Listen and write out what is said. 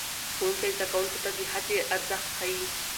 ښوونکی زده کوونکو ته د هڅې ارزښت ښيي